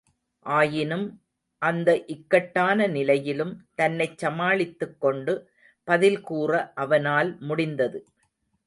ஆயினும், அந்த இக்கட்டான நிலையிலும், தன்னைச் சமாளித்துக்கொண்டு, பதில்கூற அவனால் முடிந்தது.